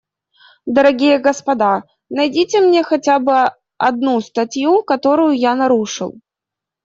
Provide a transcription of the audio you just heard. Дорогие господа, найдите мне хотя бы одну статью, которую я нарушил.